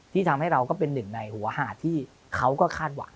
ที่ทำให้เราก็เป็นหนึ่งในหัวหาดที่เขาก็คาดหวัง